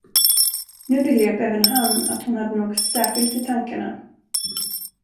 Nu begrep även han att hon hade något särskilt i tankarna.